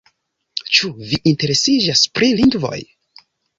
Ĉu vi interesiĝas pri lingvoj?